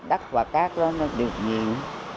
đất và cát đó nó được nhịn